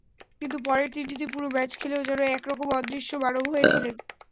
কিন্তু পরের তিনটিতে পুরো ম্যাচ খেলেও যেন একরকম অদৃশ্য মানব হয়ে ছিলেন।